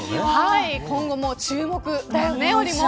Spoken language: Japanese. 今後も注目だよね、ほりもん。